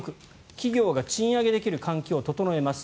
企業が賃上げできる環境を整えます。